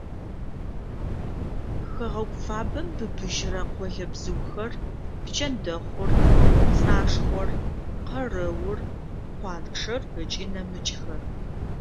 Хэгъэгу фабэм быбыжьрэ къолэбзыухэр: пчэндэхъур, пцӏашхъор, къэрэур, къуанчӏэр ыкӏи нэмыкӏхэр.